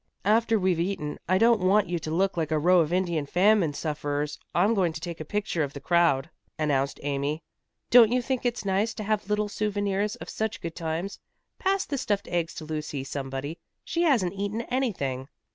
"After we've eaten I don't want you to look like a row of Indian famine sufferers I'm going to take a picture of the crowd," announced Amy. "Don't you think it's nice to have little souvenirs of such good times? Pass the stuffed eggs to Lucy, somebody. She hasn't eaten anything."